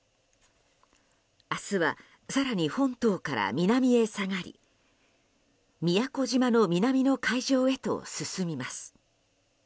明日は、更に本島から南へ下がり宮古島の南の海上へと進みます。